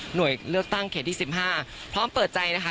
หน่วยเลือกตั้งเขตที่สิบห้าพร้อมเปิดใจนะคะ